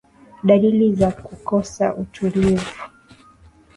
Dalili za kukosa utulivu